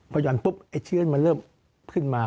พอห่อนปุ๊บไอ้เชื้อมันเริ่มขึ้นมา